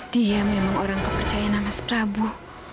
dia memang orang kepercayaan sama seprabu